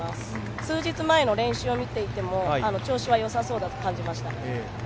数日前の練習を見ていても、調子はよさそうだと感じました。